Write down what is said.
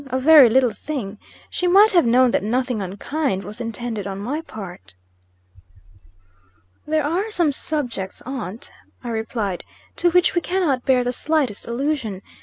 A very little thing. She might have known that nothing unkind was intended on my part." "There are some subjects, aunt," I replied, "to which we cannot bear the slightest allusion.